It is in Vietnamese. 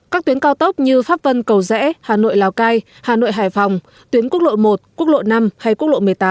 các tuyến cao tốc như pháp vân cầu rẽ hà nội lào cai hà nội hải phòng tuyến quốc lộ một quốc lộ năm hay quốc lộ bốn